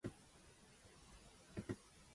列宁勋章获得者。